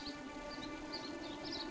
ya ari bingung om